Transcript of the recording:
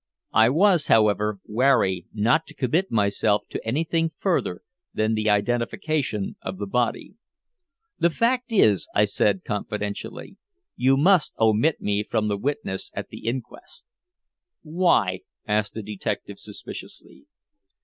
I was, however, wary not to commit myself to anything further than the identification of the body. "The fact is," I said confidentially, "you must omit me from the witnesses at the inquest." "Why?" asked the detective suspiciously.